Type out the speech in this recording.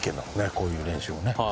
こういう練習もね。